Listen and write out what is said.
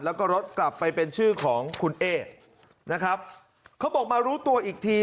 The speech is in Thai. แล้วก็รถกลับไปเป็นชื่อของคุณเอ๊นะครับเขาบอกมารู้ตัวอีกที